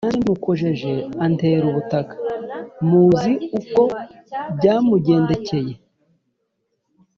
nanjye mbimukojeje antera ubutaka; muzi uko byamugendekeye!